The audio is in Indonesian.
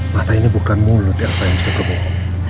mata ini bukan mulut elsa yang bisa berbohong